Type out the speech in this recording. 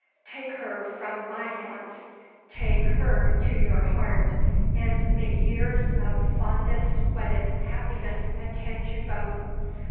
Take her from my hands. Take her to jour heart; and may years of fondest wedded happiness attend you both!